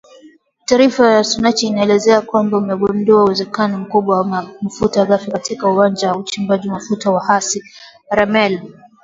Taarifa ya Sonatrach inaeleza kwamba imegundua uwezekano mkubwa wa mafuta ghafi katika uwanja wa uchimbaji mafuta wa Hassi Rmel